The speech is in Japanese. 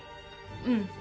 うん。